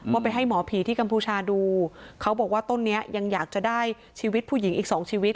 ไปให้หมอผีที่กัมพูชาดูเขาบอกว่าต้นนี้ยังอยากจะได้ชีวิตผู้หญิงอีกสองชีวิต